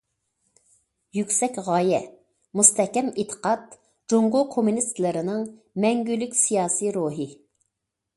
يۈكسەك غايە، مۇستەھكەم ئېتىقاد جۇڭگو كوممۇنىستلىرىنىڭ مەڭگۈلۈك سىياسىي روھى.